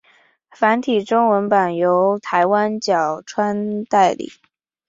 繁体中文版由台湾角川代理。